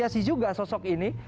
apresiasi juga sosok ini